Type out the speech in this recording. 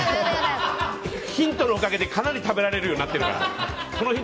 ヒントのおかげでかなり食べられるようになってるから。